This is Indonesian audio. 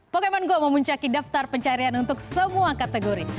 pokemon go memuncaki daftar pencarian untuk semua kategori